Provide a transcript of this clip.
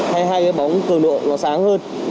thay hai cái bóng cường độ nó sáng hơn